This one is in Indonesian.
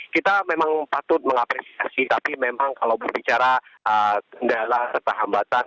kita memang patut mengapresiasi tapi memang kalau berbicara dalam perhambatan